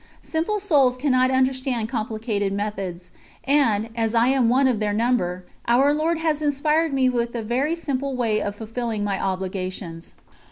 Simple souls cannot understand complicated methods, and, as I am one of their number, Our Lord has inspired me with a very simple way of fulfilling my obligations.